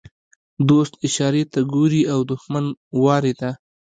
ـ دوست اشارې ته ګوري او دښمن وارې ته.